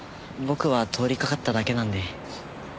僕は通りかかっただけなんで。